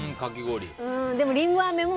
でも、りんごあめも。